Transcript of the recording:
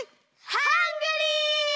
ハングリー！